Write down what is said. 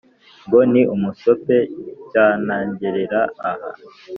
Ngo ni umusopecya ntangerere aha